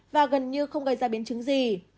và gần như không gây ra biến chứng gì